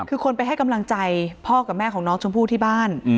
คือคนไปให้กำลังใจพ่อกับแม่ของน้องชมพู่ที่บ้าน